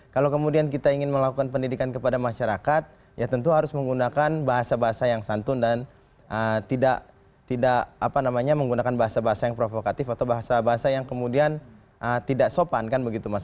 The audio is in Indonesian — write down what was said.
kalau kemudian kita ingin melakukan pendidikan kepada masyarakat ya tentu harus menggunakan bahasa bahasa yang santun dan tidak menggunakan bahasa bahasa yang provokatif atau bahasa bahasa yang kemudian tidak sopan kan begitu mas